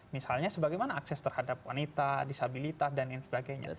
misalnya sebagaimana akses terhadap wanita disabilitas dan lain sebagainya